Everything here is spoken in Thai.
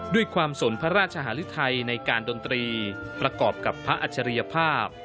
สนพระราชหารุทัยในการดนตรีประกอบกับพระอัจฉริยภาพ